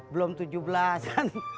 belum tujuh belasan